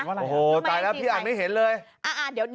อะไรโอ้โหตายแล้วพี่อ่านไม่เห็นเลย